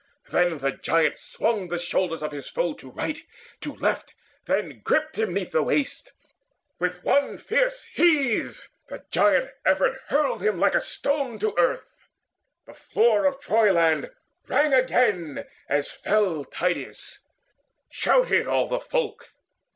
Then the giant swung The shoulders of his foe to right, to left; Then gripped him 'neath the waist; with one fierce heave And giant effort hurled him like a stone To earth. The floor of Troyland rang again As fell Tydeides: shouted all the folk.